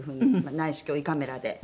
内視鏡胃カメラで。